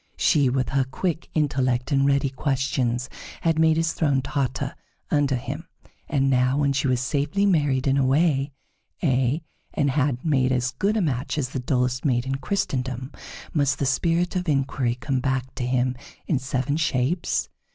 She, with her quick intellect and ready questions, had made his throne totter under him; and now, when she was safely married and away ay, and had made as good a match as the dullest maid in Christendom, must the spirit of inquiry come back to him in seven shapes?